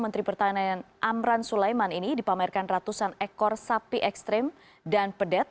menteri pertahanan amran sulaiman ini dipamerkan ratusan ekor sapi ekstrim dan pedet